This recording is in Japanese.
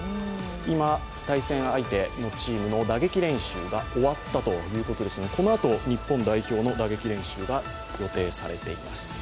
今、対戦相手のチームの打撃練習が終わったということですのでこのあと日本代表の打撃練習が予定されています。